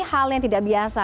hal yang tidak biasa